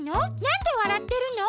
なんでわらってるの？